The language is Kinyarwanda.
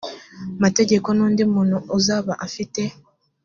mategeko n undi muntu uzaba afite